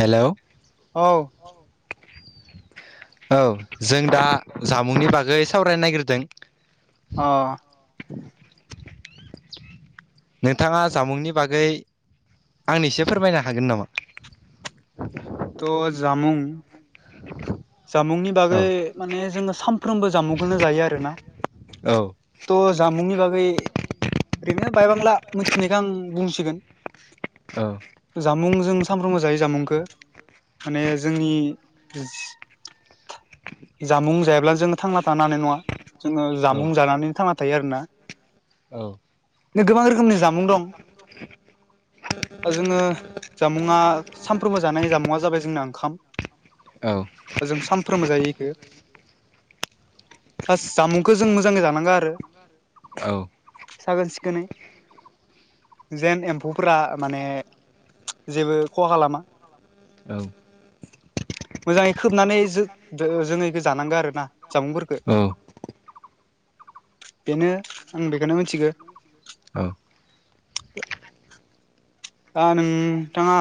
हेल' औ औ जों दा जामुंनि बागै सावरायनो नागिरदों अ नोंथाङा जामुंनि बागै आंनिसे फोरमायनो हागोन नामा त' जामुं जामुंनि औ बागै माने जोङो सामफ्रोमबो जामुंखौनो जायो आरोना औ त' जामुंनि बागै ओरैनो बायबांला मिथिनायखौ आं बुंसिगोन औ जामुं जों सामफ्रोमबो जायो जामुंखौ माने जोंनि जामुं जायाब्ला जोङो थांना थानो हानाय नङा जोङो औ जामुं जानानैनो थांना थायो आरोना औ गोबां रोखोमनि जामुं दं जोङो जामुङा सामफ्रोमबो जानाय जामुङा जाबाय जोंना ओंखाम औ जों सानफ्रोमबो जायो इखो हास जामुंखौ जों मोजांङै जानांगौ आरो औ साखोन सिखोनै जेन एम्फौफोरा माने जेबो खहा खालामा मोजाङै खोबनानै जो-जों इखौ जानांगो आरो ना जामुंफोरखौ। औ बेनो आं बेखोनो मिथिगो। औ दा नोंथाङा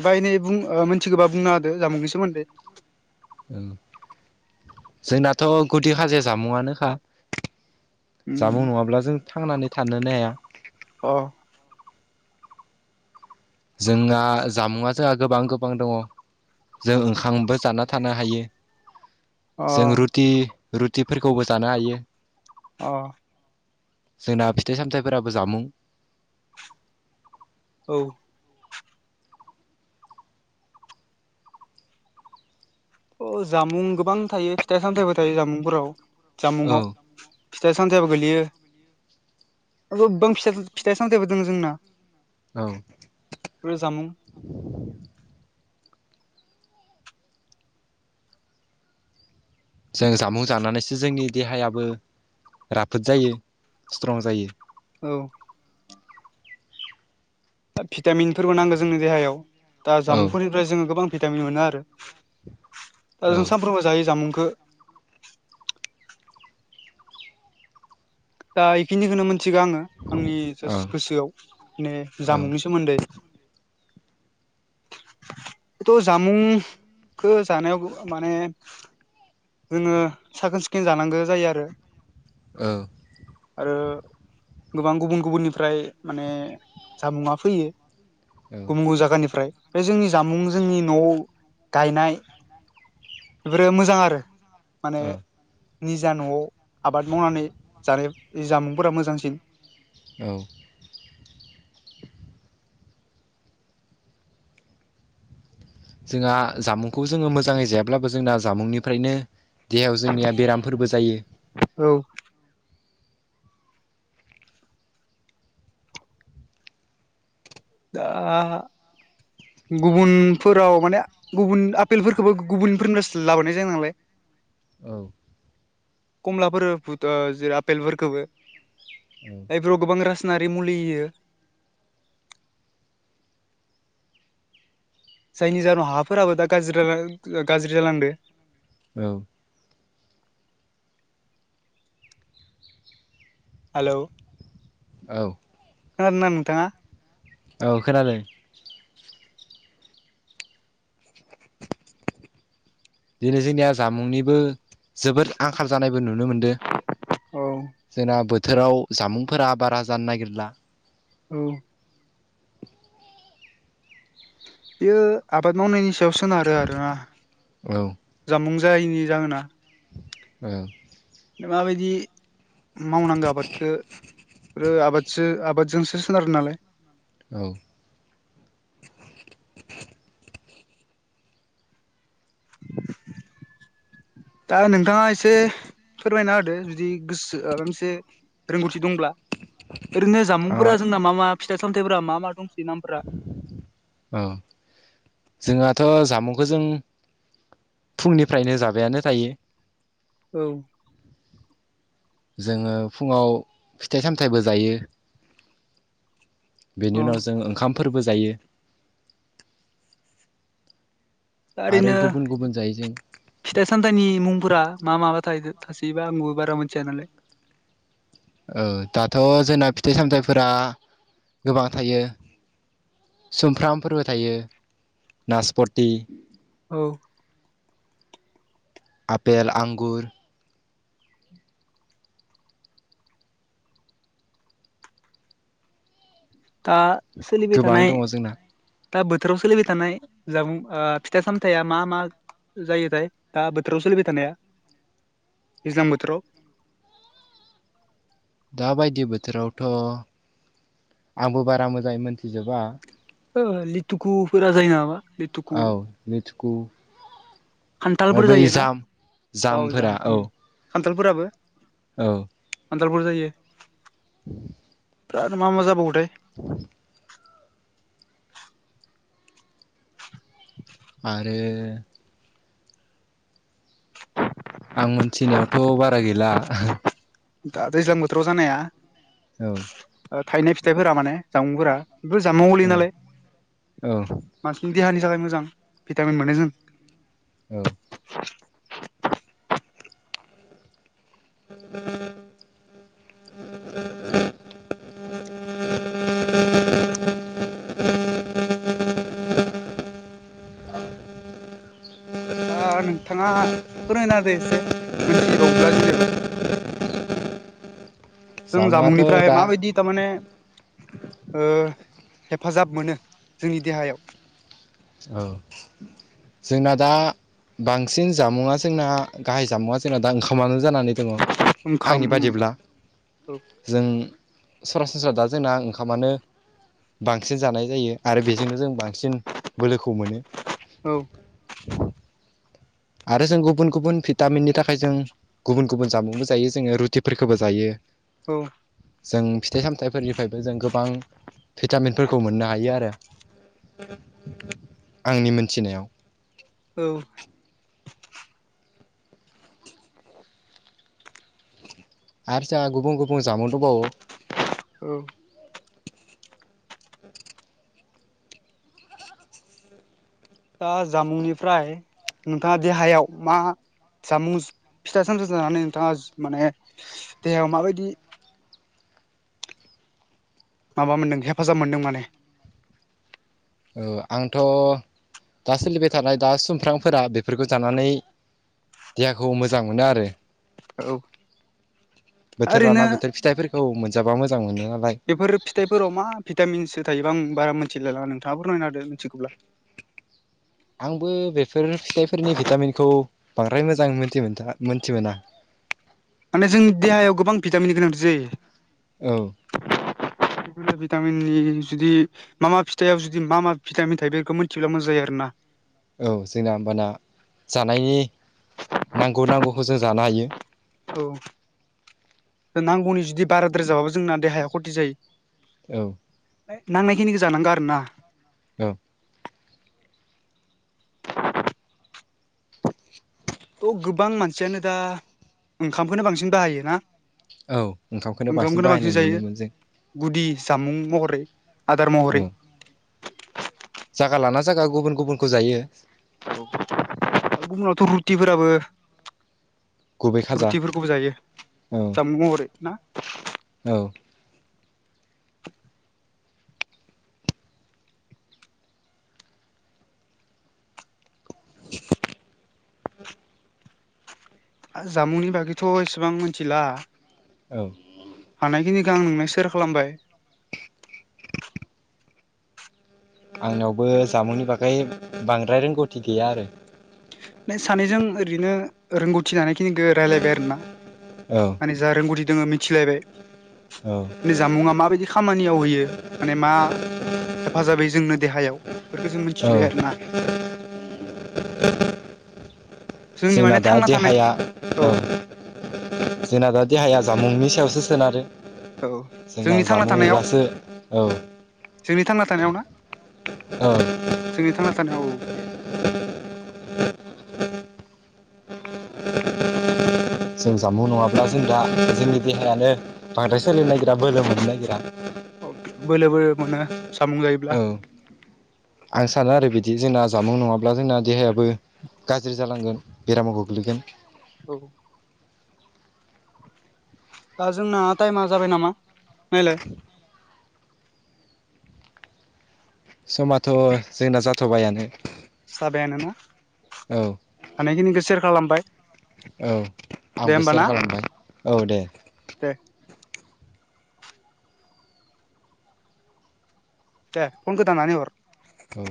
एफा एनै बुं ओ मिथिगोबा बुंना होदो जामुंनि सोमोन्दै। ओं जोंनाथ' गुदि हाजिर जामुंआनोखा अ जामुं नङाब्ला जों थांनानै थानोनो हाया अ जोंना जामुंआ जोंहा गोबां गोबां दङ' जों ओंखामबो जाना थानो हायो जों अ रुटि रुटिफोरखौबो जानो हायो। अ जोंना फिथाइ सामथाइफोराबो जामुं। औ ओ जामुं गोबां थायो फिथाइ सामथाइबो थायो जामुंफोराव औ जामुंआव। फिथाइ सामथायाबो गोलैयो। ओ गोबां फिथ-फिथाय सामथायबो दों जोंना। औ बे जामुं जों जामुं जानानैसो जोंनि देहायाबो राफोद जायो स्ट्रं जायो। औ भिटामिनफोरबो नांगो जोंनि देहायाव दा औ जामुंफोर फ्राय जोङो गोबां भिटामिन मोनो आरो दा औ जों औ सानफ्रोमबो जायो जामुंखो। दा इखिनिखौनो मोनथिगो आङो। आंनि औ जास गोसोआव माने जामुंनि सोमोन्दै [unintelligible] थ' जामुं खो जानायाव बो माने जोङो साखोन सिखोन जानांगो जायो आरो। औ आरो गोबां गुबुन गुबुननिफ्राय माने जामुंआ फैयो। गुबुन गुबुन जागानिफ्राय बे जोंनि जामुं जोंनि न' आव गायनाय बेफोरो मोजां आरो। माने औ निजा न'आव आबाद मावनानै जानाय जामुंफोरा मोजांसिन। औ जोंहा जामुंखौ जोङो मोजांङै जायाब्लाबो जोंना जामुंनिफ्रायनो देहायाव जोंनिया बेरामफोरबो जायो। औ दा गुबुनफोराव माने गुबुन आपेलफोरखौबो गुबुनफोरनिफ्रायसो लाबोनाय जायो नालाय। [unintelligible] औ कमलाफोर बुथा जेरै आपेलफोरखोबो औ जायफोराव गोबां रासायनारि मुलि होयो। जायनि जाहोनाव हाफोराबो दा गाज्रि जालां गाज्रि जालांदो। औ हालौ औ खोनादोंना नोंथाङा? औ खोनादों। दिनै जोंनिया जामुंनिबो जोबोद आंखाल जानायबो नुनो मोनदों। औ जोंना बोथोराव जामुंफोरा बारा जानो नागिरला। औ। बेयो आबाद मावनायनि सायाव सोनारो आरोना। औ जामुं जायैनि जाहोना। औ। माबायदि मावनांगौ आबादखो आरो आबादसो आबादजोंसो सोनारो नालाय। औ दा नोंथाङा एसे फोरमायना होदो जुदि गोसो माबा मोनसे रोंगौथि दंब्ला। ओरैनो आंहा जामुंफोरा जोंना मा मा फिथाइ सामथायाइफोरा मा मा दंसै नामफोरा? औ जोंहाथ' जामुंखौ जों फुंनिफ्रायनो जाबायानो थायो। औ। जोङो फुङाव फिथाइ सामथायाइबो जायो। बेनि अ उनाव जों ओंखामफोरबो जायो। दा आरो ओरैनो गुबुन गुबुन जायो जों। फिथाइ सामथाइनि मुंफोरा मा माबा थायो थासैबा आंबो बारा मिथिया नालाय। औ दाथ' जोंना फिथाइ सामथाइफोरा गोबां थायो। सुमफ्रामफोरबो थायो नासपति। औ। आपेल, आंगुर दा सोलिबाय गोबां थानाय दङ जोंना दा बोथोराव सोलिबाय थानाय जामुं फिथाइ सामथाया मा मा? जायोथाय दा बोथोराव सोलिबाय थानाया, दैज्लां बोथोराव। दा बायदि बोथोरावथ' आंबो बारा मोजाङै मोनथिजोबा। ओ लिथुखुफोरा जायो नामाबा? औ लेथुकु खान्थालफोर फ्राय बै जायोना जाम औ जाम जामफोरा उम औ खान्थालफोराबो। औ। खान्थालफोर जायो। [inaudible] आरो मा मा जाबावोथाय? [inaudible] [inaudible] आरो आं मोनथिनायावथ' बारा गैला। दा दैज्लां बोथोराव जानाया। औ। थायनाय फिथाइफोरा माने जामुंफोरा बे जामुंआव गलैयो औ नालाय। औ मानसिनि देहानि थाखाय मोजां भिटामिन मोनो जों। औ। [inaudible] नोंथाङा फोरमायना होदो एसे। मोनथिबावोब्ला जेनेबा। जों जामुंआथ' जामुंनिफ्राय दा माबायदि थारमाने ओ हेफाजाब मोनो जोंनि देहायाव। औ जोंना दा बांसिन जामुआ जोंना गाहाय जामुआ जोंना दा ओंखामानो जानानै दंङ। ओंखाम आंनि बादिब्ला। जों सरासनस्रा दा जोंना ओंखामानो बांसिन जानाय जायो आरो बेजोंनो जों बांसिन बोलोखौ मोनो। औ। आरो जों गुबुन गुबुन भिटामिननि थाखाय जों गुबुन गुबुन जामुंबो जायो जोंङो रुटिफोरखौबो जायो। औ। जों फिथाइ सामथाइफोरनिफ्रायबो जों गोबां भिटामिनफोरखौ मोननो हायो आरो आंनि मोनथिनायाव। औ। आरो जोंहा गुबुन गुबुन जामुं दंबावो। औ। दा जामुंनिफ्राय नोंथाङा देहायाव मा जामुं फिथा-सामथाइजानानै नोंथाङा माने देहायाव माबायदि माबा मोन्दों हेफाजाब मोनदों माने। औ आंथ' दा सोलिबाय थानाय दा सुमफ्रांफोरा बेफोरखौ जानानै देहाखौ मोजां मोनो आरो। औ बोथोर ओरैनो लाना बोथोर फिथाइफोरखौ मोनजाबा मोजां मोनो नालाय। बेफोर फिथाइफोराव मा भिटामिनसो थायोबा आं बारा मिथिलायला नोंथाङा फोरमायनाहोदो मिथिगौब्ला आंबो बेफोर फिथाइफोरनि भिटामिनखौ बांद्राय मोजां मोनथि मोनथि मोना। माने जोंनि देहायाव गोबां भिटामिन गोनांथि जायो। औ। भिटाम इ जुदि मा मा फिथाइआव जुदि मा मा फिटामिन थायो बेखौ मिथियोब्ला मोज जायो आरो ना। औ जोंना होमबाना जानायनि नांगौ नांगौखौ जों जानो हायो। औ नांगौनि जुदि बाराद्राय जाबाबो जोंना देहाया ख'थि जायो। औ। नांनाय खिनिखौ जानांगौ आरो ना। औ। थ' गोबां मानसियानो दा ओंखामखौनो बांसिन बाहायो ना। औ ओंखामखौनो बांसिन ओंखामखौनो बाहायनाय जायो नुनो मोन जों। गुदि जामुं महरै, आदार महरै जायागा लाना जाया गुबुन-गुबुनखौ जायो। औ गुबुनावथ' रुरथिफोराबो गुबै खाजा रुथिफोरखौबो जायो औ जामुं महरै ना। औ। आ जामुंनि बागैथ' एसेबां मिथिला। औ। हानायखिनिखौ आं नोंनो सेयार खालामबाय। आंनावबो जामुंनि बागै बांद्राय रोंगौथि गैया आरो। नो सानैजों ओरैनो रोंगौथि जानायखिनि रायलायबाय आरो ना। औ। जा रोंगौथि दोंङो औ मिथिलायबाय जामुंङा माबायदि खामानियाव होयो माने मा हेफाजाब होयो जोंनो देहायाव बेफोरखौ जों औ मिथिथिबाय आरो ना। जोंनि जोंना माने दा थांना थानाय देहाया औ। जोंना दा देहाया जामुंनि सायावसो सोनारो। औ जोंना जोंनि थांना थानायाव जामुंब्लासो औ। जोंनि थांना थानायाव ना। अ। जोंनि थांना थानाय औके। जों जामुं नङाब्ला जों दा जोंनि देहायानो। बांद्राय सोलिनो नागिरा बोलो मोननो नागिरा। अके बोलोबो मोनो सामु औ जायोब्ला। आं सानो आरो बिदि जोंना जामुं नङाब्ला जोंना देहायाबो गाज्रि जालांगोन बेरामाव गोग्लैगोन। औ। दा जोंना टाइमा जाबाय नामा नायलाय। समाथ' जोंना जाथ'बायानो। जाबायानोना औ हानायखिनिखौ सेयार खालामबाय। औ दे आंबो होमबा ना सेयार खालामबाय औ दे। दे दे पनखौ दाननानै हर। औ।